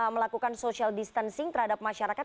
melakukan social distancing terhadap masyarakat